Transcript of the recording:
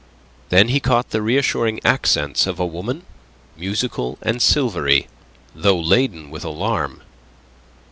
Then he caught the reassuring accents of a woman, musical and silvery, though laden with alarm.